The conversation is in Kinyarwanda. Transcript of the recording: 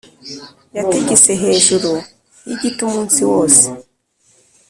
yatigise hejuru yigiti umunsi wose